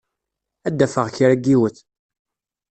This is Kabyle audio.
Ad d-afeɣ kra n yiwet.